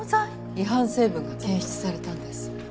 違反成分が検出されたんです。